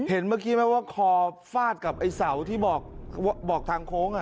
เห็นเมื่อกี้มั้ยว่าคอฟาดกับไอ้เสาที่บอกทางโค้งน่ะ